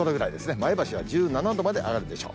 前橋は１７度まで上がるでしょう。